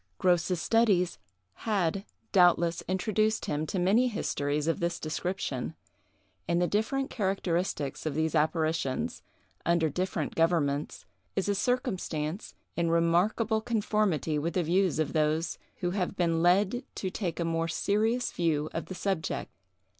Grose's studies had, doubtless, introduced him to many histories of this description; and the different characteristics of these apparitions, under different governments, is a circumstance in remarkable conformity with the views of those who have been led to take a much more serious view of the subject.